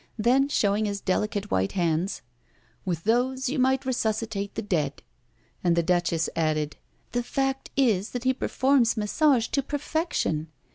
Then, showing his delicate white hands: "With those, you might resuscitate the dead." And the Duchess added: "The fact is that he performs massage to perfection."